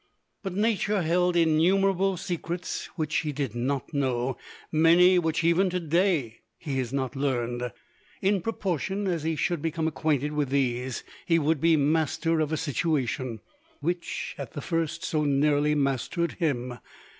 But Nature held innumerable secrets which he did not know; many, which, even to day, he has not learned. In proportion as he should become acquainted with these, he would be master of a situation, which, at the first, so nearly mastered him.